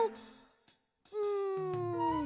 うん。